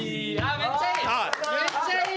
めっちゃいい！